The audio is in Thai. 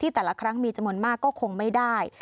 แต่ละครั้งมีจำนวนมากก็คงไม่ได้